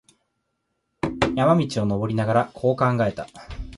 山路を登りながら、こう考えた。